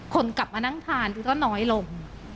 คนกลับมานั่งทานดูก็น้อยลง